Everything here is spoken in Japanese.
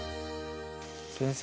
先生